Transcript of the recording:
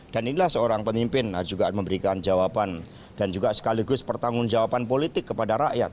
dan inilah seorang pemimpin yang juga memberikan jawaban dan juga sekaligus pertanggung jawaban politik kepada rakyat